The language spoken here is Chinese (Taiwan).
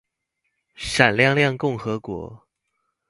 閃亮亮共和國